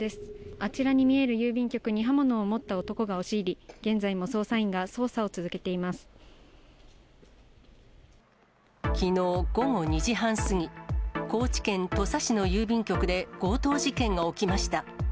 あちらに見える郵便局に刃物を持った男が押し入り、現在も捜査員きのう午後２時半過ぎ、高知県土佐市の郵便局で強盗事件が起きました。